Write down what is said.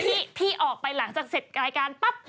ที่ออกไปหลังจากเสร็จรายการปั๊บ